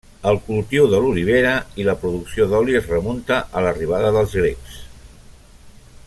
El cultiu de l’olivera i la producció d’oli es remunta a l’arribada dels grecs.